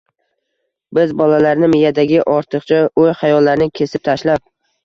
Biz bolalarni miyadagi ortiqcha o‘y-xayollarni “kesib tashlab”